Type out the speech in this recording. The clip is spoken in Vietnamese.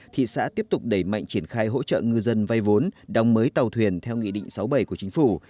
thị xã tiếp tục đẩy mạnh triển khai hỗ trợ ngư dân vay vốn đóng mới tàu thuyền theo nghị định sáu mươi bảy của chính phủ